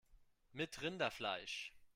Mit Rinderfleisch!